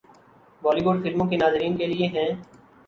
بالی would فلموں کے ناظرین کے لئے ہیں